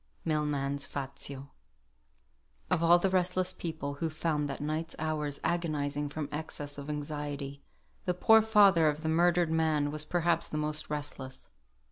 MILMAN'S "FAZIO." Of all the restless people who found that night's hours agonising from excess of anxiety, the poor father of the murdered man was perhaps the most restless.